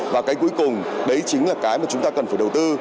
và cái cuối cùng đấy chính là cái mà chúng ta cần phải đầu tư